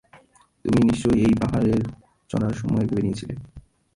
তুমি নিশ্চয় এই সব পাহাড়ে চড়ার সময়েই ভেবে নিয়েছিলে!